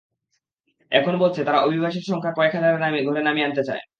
এখন বলছে, তারা অভিবাসীর সংখ্যা কয়েক হাজারের ঘরে নামিয়ে আনতে চায়।